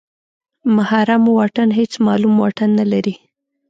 محرم واټن هېڅ معلوم واټن نلري.